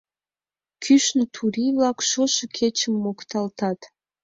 Кӱшнӧ турий-влак шошо кечым мокталтат.